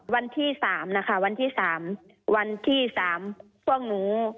วันที่๓นะคะวันที่๓วันที่๓พวกหนู